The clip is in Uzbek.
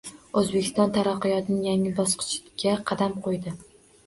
O‘zbekiston taraqqiyotning yangi bosqichiga qadam qo‘ydi